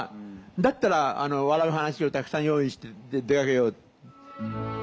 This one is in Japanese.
だったら笑う話をたくさん用意して出かけよう。